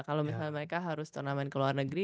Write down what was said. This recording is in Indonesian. kalau misalnya mereka harus turnamen ke luar negeri